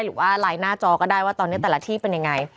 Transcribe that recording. หรือว่าไลน์หน้าจอก็ได้ว่าตอนนี้แต่ละที่เป็นยังไง